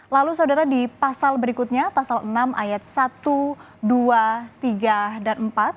lalu saudara di pasal berikutnya pasal enam ayat satu dua tiga dan empat